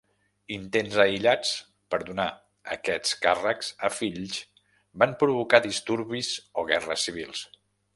Intents aïllats per donar aquests càrrecs a fills van provocar disturbis o guerres civils.